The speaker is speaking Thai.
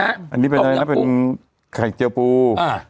ต้มยำกุ้งอันนี้เป็นอะไรนะเป็นไข่เจียวปูอ่า